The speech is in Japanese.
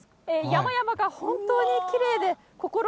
山々が本当にきれいで、これこれ！